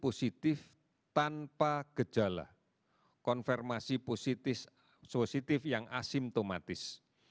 positif tanpa gejala konfirmasi positif yang asimptomatis